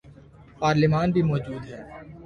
پارلیمان بھی موجود ہے۔